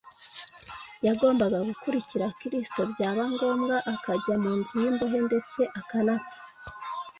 Yagombaga gukurikira Kristo byaba ngombwa akajya mu nzu y’imbohe ndetse akanapfa.